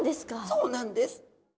そうなんです。